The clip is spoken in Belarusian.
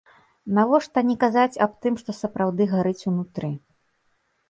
Навошта не казаць аб тым што сапраўды гарыць унутры?